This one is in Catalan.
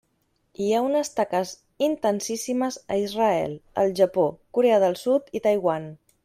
I hi ha unes taques intensíssimes a Israel, el Japó, Corea del Sud i Taiwan.